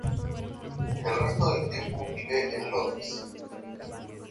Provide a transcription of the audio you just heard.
El resto del tiempo vive en Londres.